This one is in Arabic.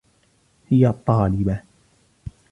هي طالبة.